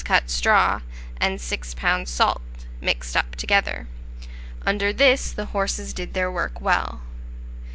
cut straw, and 6 lbs. salt, mixed up together: under this the horses did their work well.